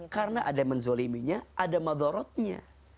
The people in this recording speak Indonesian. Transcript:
karena ada yang menzoliminya ada madhorotnya